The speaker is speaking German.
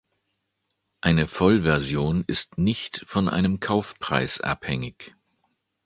Eine Vollversion ist nicht von einem Kaufpreis abhängig.